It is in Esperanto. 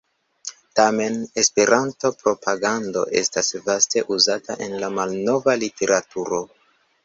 Tamen "Esperanto-propagando" estas vaste uzata en la malnova literaturo.